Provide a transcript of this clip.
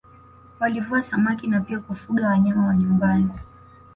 Walivua samaki na pia kufuga wanyama wa nyumbani